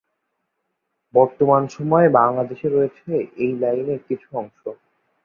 বর্তমান সময়ে বাংলাদেশে রয়েছে এই লাইনের কিছু অংশ।